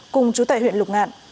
cùng chú tại huyện lục ngạn